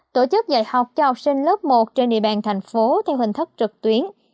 tổ chức dạy học cho học sinh lớp một trên địa bàn tp theo hình thức trực tuyến